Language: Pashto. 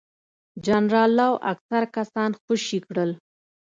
جنرال لو اکثر کسان خوشي کړل.